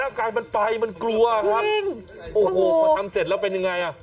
อาการมันไปมันกลัวครับจริงโอ้โหพอทำเสร็จแล้วเป็นยังไงอ่ะ